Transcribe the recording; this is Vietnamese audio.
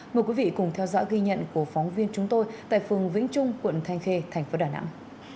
mời quý vị cùng theo dõi ghi nhận của phóng viên chúng tôi tại phường vĩnh trung quận thanh khê thành phố đà nẵng